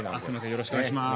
よろしくお願いします。